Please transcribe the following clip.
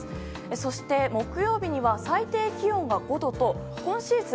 そして、木曜日には最低気温が５度と今シーズン